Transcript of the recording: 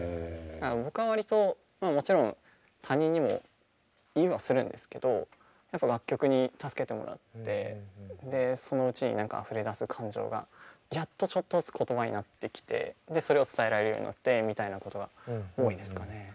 僕は割ともちろん他人にも言いはするんですけど楽曲に助けてもらってそのうちに何かあふれ出す感情がやっとちょっとずつ言葉になってきてそれを伝えられるようになってみたいなことが多いですかね。